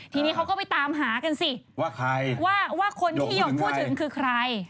ทีนี้เขาก็ไปตามหากันสิว่าใครว่าคนที่หยกพูดถึงคือใคร